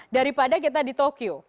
daripada kita di tokyo